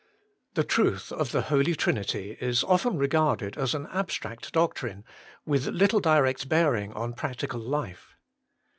The truth of the Holy Trinity is often regarded as an abstract doctrine, with little direct bearing on practical life.